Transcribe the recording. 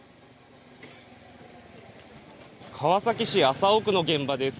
川崎市麻生区の現場です。